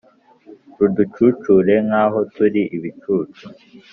ruducucure nkaho turi ibicucu?